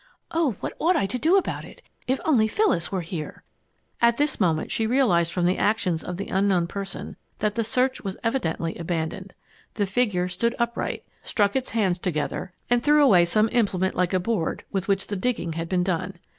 Oh, what ought I to do about it? If only Phyllis were here!" At this moment she realized from the actions of the unknown person that the search was evidently abandoned. The figure stood upright, struck its hands together, and threw away some implement like a board, with which the digging had been done.